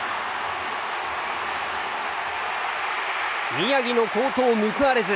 宮城の好投報われず。